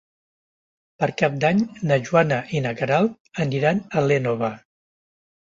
Per Cap d'Any na Joana i na Queralt aniran a l'Énova.